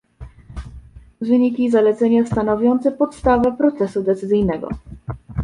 wyniki i zalecenia stanowiące podstawę procesu decyzyjnego"